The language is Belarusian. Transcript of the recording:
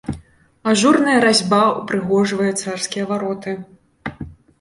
Ажурная разьба ўпрыгожвае царскія вароты.